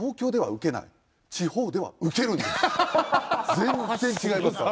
全然違いますから。